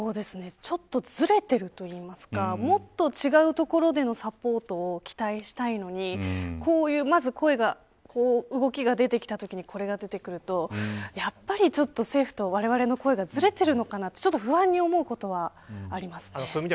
ちょっと、ずれているというかもっと違うところでのサポートを期待したいのに、こういう動きが出てきてしまうと政府とわれわれの声がずれているのではないかと不安になることはありますね。